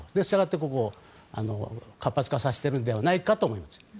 したがって、ここを活発化させているのではないかと思います。